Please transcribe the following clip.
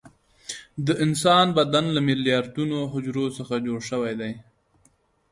د انسان بدن له میلیارډونو حجرو څخه جوړ شوی دی